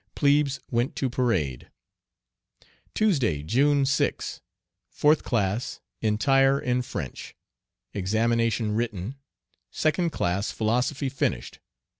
Plebes went to parade. Tuesday, June 6. Fourth class, entire in French. Examination written. Second class, philosophy finished.